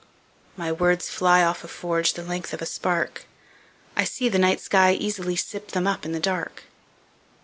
My words fly off a forgeThe length of a spark;I see the night sky easily sip themUp in the dark.